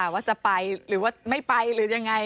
ว่าจะไปหรือว่าไม่ไปหรือยังไง